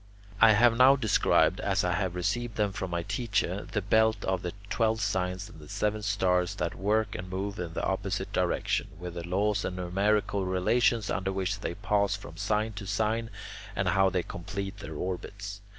I have now described, as I have received them from my teacher, the belt of the twelve signs and the seven stars that work and move in the opposite direction, with the laws and numerical relations under which they pass from sign to sign, and how they complete their orbits.